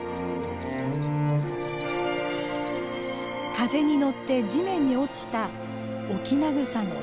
風に乗って地面に落ちたオキナグサの種。